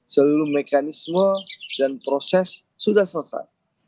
seluruh mekanisme dan proses sudah selesai